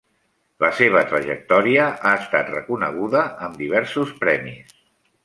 La seva trajectòria ha estat reconeguda amb diversos premis.